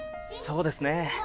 そうですね。